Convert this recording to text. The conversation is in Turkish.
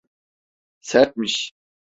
Sertmiş.